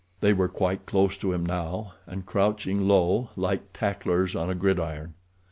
They were quite close to him now, and crouching low, like tacklers on a gridiron.